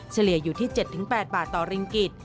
เฉลี่ยอยู่ที่๗๘บาทต่อริงกิจ